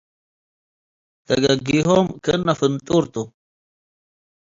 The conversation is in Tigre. ደገጊሆም ክእነ ፍንጡር ቱ ።